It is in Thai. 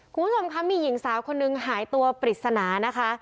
คุณผู้ชมคะมีหญิงสาวคนนึงหายตัวปริศนานะคะ